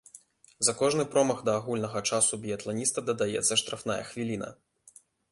За кожны промах да агульнага часу біятланіста дадаецца штрафная хвіліна.